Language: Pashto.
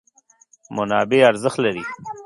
منابع ارزښت لري.